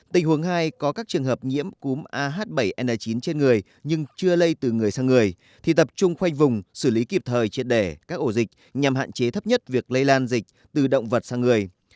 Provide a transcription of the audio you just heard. tình huống hai có các trường hợp nhiễm cúm ah bảy n chín trên người nhưng chưa lây từ người sang người thì tập trung khoanh vùng xử lý kịp thời triệt đẻ các ổ dịch nhằm hạn chế thấp nhất việc lây lan dịch từ động vật sang người